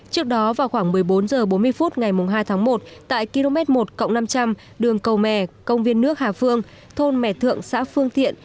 trước đó vào khoảng một mươi bốn h bốn mươi phút ngày hai tháng một tại km một năm trăm linh đường cầu mè công viên nước hà phương thôn mẻ thượng xã phương thiện